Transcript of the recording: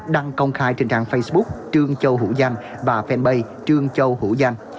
đăng công khai trên trang facebook trương châu hữu danh và fanpage trương châu hữu danh